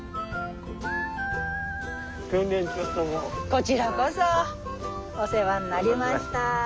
こちらこそお世話になりました。